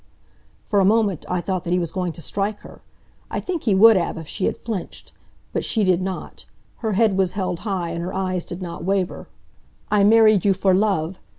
For a moment I thought that he was going to strike her. I think he would have, if she had flinched. But she did not. Her head was held high, and her eyes did not waver. "I married you for love.